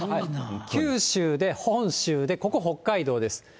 九州で本州で、ここ、北海道です。